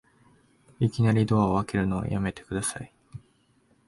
いきなりドア開けるのやめてください